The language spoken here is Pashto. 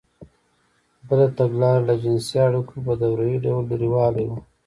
بله تګلاره له جنسـي اړیکو په دورهیي ډول لرېوالی و.